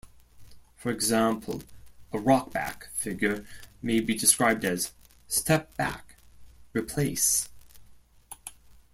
For example, a "rock back" figure may be described as "step back, replace".